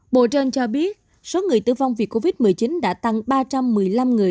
bộ trơn cho biết số người tử vong vì covid một mươi chín đã tăng ba trăm một mươi năm người